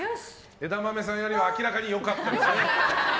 枝豆さんよりは明らかに良かったですね。